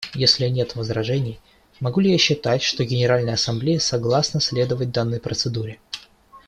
Если нет возражений, могу ли я считать, что Генеральная Ассамблея согласна следовать данной процедуре?